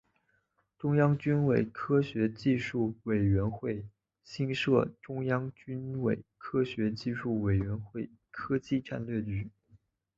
中央军委科学技术委员会新设中央军委科学技术委员会科技战略局。